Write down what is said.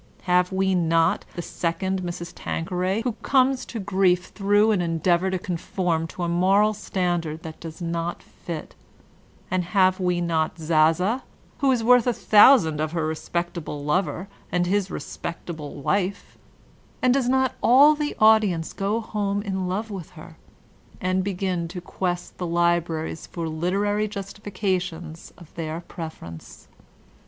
Have we not the ''Second Mrs. Tanquera/* who comes to grief through an endeavor to conform to a moral standard that does not fit? And have we not Zaza, who b worth a thousand of ISO VOLTAIRINE DE ClEYRE her respectable lover and his respectable wife? And does not all the audience go home in love with her? And b^in to quest the libraries for literary justifications of their preference?